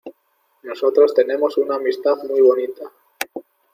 nosotros tenemos una amistad muy bonita